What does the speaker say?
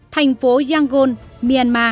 thành phố này vẫn rơi vào tình trạng giao thông tắt nghẽn